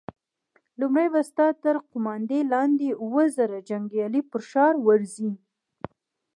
لومړی به ستا تر قوماندې لاندې اووه زره جنيګالي پر ښار ورځي!